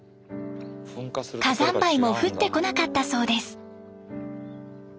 火山灰も降ってこなかったそうです。